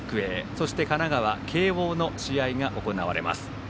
そして神奈川・慶応の試合が行われます。